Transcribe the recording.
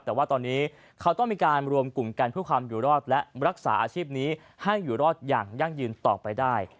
แต่ว่าตอนนี้เขาต้องมีการรวมกลุ่มกันเพื่อความอยู่รอดและรักษาอาชีพนี้ให้อยู่รอดอย่างยั่งยืนต่อไปได้